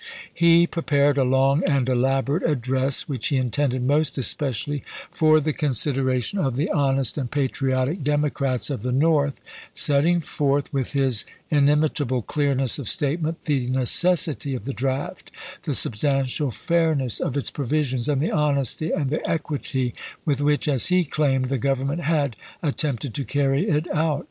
He prepared a long and elaborate address, which he intended most especially for the consideration of the honest and patriotic Democrats of the North, setting forth, with his inimitable clearness of statement, the ne cessity of the draft, the substantial fairness of its provisions, and the honesty and the equity with which, as he claimed, the Government had at tempted to carry it out.